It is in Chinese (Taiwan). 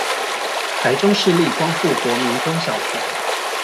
臺中市立光復國民中小學